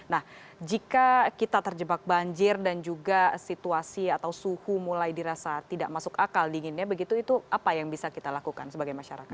nah jika kita terjebak banjir dan juga situasi atau suhu mulai dirasa tidak masuk akal dinginnya begitu itu apa yang bisa kita lakukan sebagai masyarakat